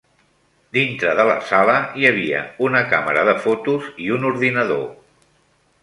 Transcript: Dintre de la sala hi havia una càmera de fotos i un ordinador.